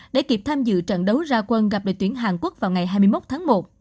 để kịp tham dự trận đấu ra quân gặp đội tuyển hàn quốc vào ngày hai mươi một tháng một